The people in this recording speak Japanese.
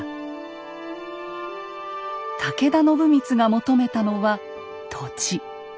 武田信光が求めたのは土地。